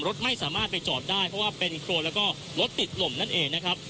รถไม่สามารถไปจอดได้เพราะว่าเป็นโครนแล้วก็รถติดลมนั่นเองนะครับ